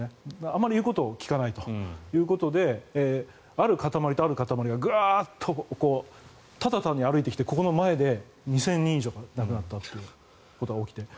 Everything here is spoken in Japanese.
あまり言うことを聞かないということである固まりと、ある固まりがぐわっとただ単に歩いてきてここの前で２０００人以上亡くなったということが起きている。